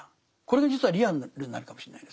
これが実はリアルになるかもしれないですね。